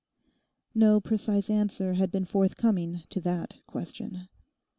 No precise answer had been forthcoming to that question.